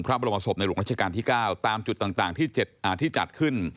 พระอบรมศพในหลุมราชการที่เก้าตามจุดต่างต่างที่อ่าที่จัดขึ้น